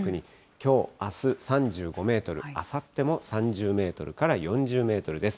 きょう、あす３５メートル、あさっても３０メートルから４０メートルです。